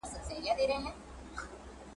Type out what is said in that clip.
دا هيواد به آزاديږي ,